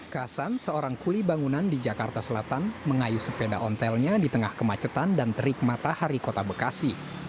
kasan seorang kuli bangunan di jakarta selatan mengayu sepeda ontelnya di tengah kemacetan dan terik matahari kota bekasi